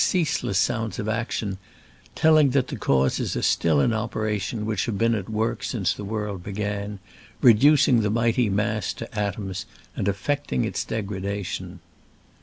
37 ceaseless sounds of action, telling that the causes are still in operation which have been at work since the world began, reducing the mighty mass to atoms and effecting its degradation.